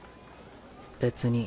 別に。